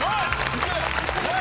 すげえ！